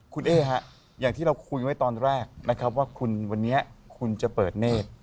คุณเอ๊ฮะอย่างที่เราคุยไว้ตอนแรกนะครับว่าคุณวันนี้คุณจะเปิดเนธ